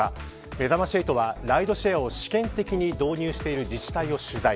めざまし８はライドシェアを試験的に導入している自治体を取材。